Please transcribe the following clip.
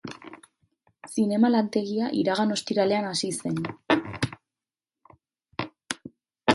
Zinema lantegia iragan ostiralean hasi zen.